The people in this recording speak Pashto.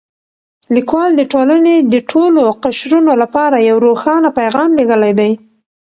لیکوال د ټولنې د ټولو قشرونو لپاره یو روښانه پیغام لېږلی دی.